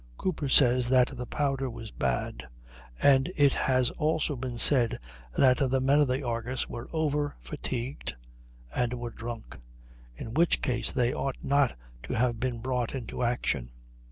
Cooper says that the powder was bad; and it has also been said that the men of the Argus were over fatigued and were drunk, in which case they ought not to have been brought into action.